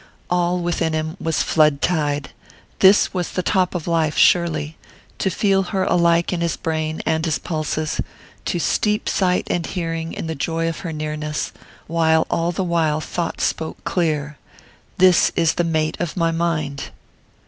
All within him was flood tide: this was the top of life, surely to feel her alike in his brain and his pulses, to steep sight and hearing in the joy of her nearness, while all the while thought spoke clear: "This is the mate of my mind."